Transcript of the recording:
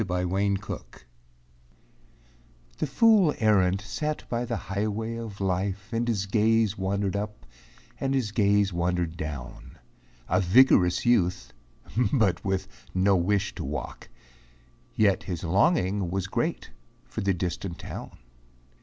The Fool Errant The Fool Errant sat by the highway of life And his gaze wandered up and his gaze wandered down, A vigorous youth, but with no wish to walk, Yet his longing was great for the distant town.